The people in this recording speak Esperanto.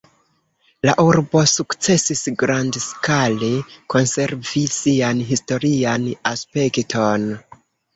La urbo sukcesis grandskale konservi sian historian aspekton.